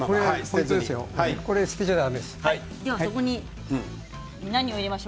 これを捨てちゃだめです。